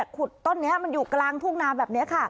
ขุดต้นอยู่กลางภูกนามแบบนี้ค่ะ